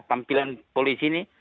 tampilan polisi ini